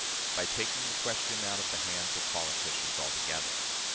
By taking the question out of the hands of politicians altogether.